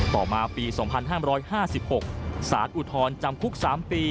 ต่อมาปี๒๕๕๖สารอุทธรณ์จำคุก๓ปี